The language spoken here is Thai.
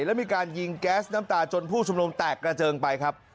แล้วมีการยิงแก๊สน้ำตาจนผู้ชุมนุมแตกกระเจิงไปครับ